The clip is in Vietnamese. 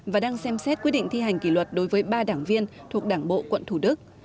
và đang xem xét quyết định thi hành kỷ luật đối với ba đảng viên thuộc đảng bộ quận thủ đức